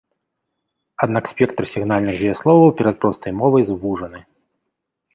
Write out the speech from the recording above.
Аднак спектр сігнальных дзеясловаў перад простай мовай звужаны.